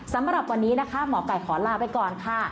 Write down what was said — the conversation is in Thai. สำหรับวันนี้นะคะหมอไก่ขอลาไปก่อนค่ะ